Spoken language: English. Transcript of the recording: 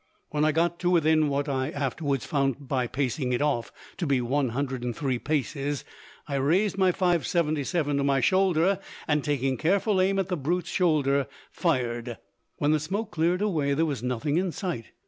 When I got to within what I afterwards found by pacing it off to be 103 paces, I raised my .577 to my shoulder, and, taking careful aim at the brute's shoulder, fired. When the smoke cleared away there was nothing in sight.